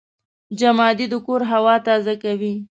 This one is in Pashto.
جمادې د کور هوا تازه کوي.